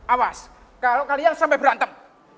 awas kalau kalian sampai berantem